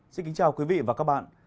xin kính chào quý vị và các bạn